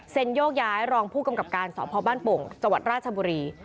เซนโยกย้ายรองผู้กำกับการสภบ้านโป่งจราชบุรี